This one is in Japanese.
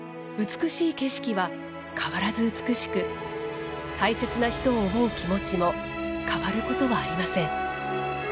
美しい景色は変わらず美しく大切な人を思う気持ちも変わることはありません。